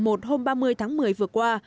hôm ba mươi tháng một mươi vừa qua